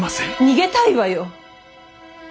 逃げたいわよ！